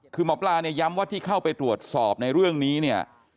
คือหมอปลาเนี่ยย้ำว่าที่เข้าไปตรวจสอบในเรื่องนี้เนี่ย